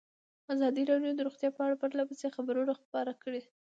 ازادي راډیو د روغتیا په اړه پرله پسې خبرونه خپاره کړي.